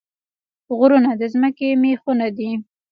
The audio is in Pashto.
غرونه د ځمکې میخونه دي